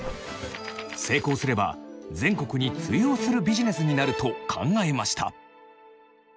成功すれば全国に通用するビジネスになると考えました。